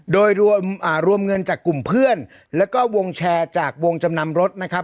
โดยรวมเงินจากกลุ่มเพื่อนแล้วก็วงแชร์จากวงจำนำรถนะครับ